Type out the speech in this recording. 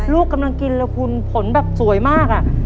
ลูกกำลังกินแล้วผลแบบสวยมากอ่ะ